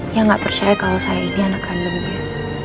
yang gak percaya kalau saya ini anak kandungnya